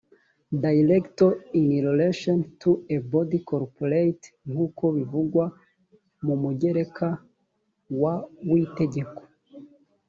director in relation to a body corporate nk uko bivugwa mu mugereka wa w itegeko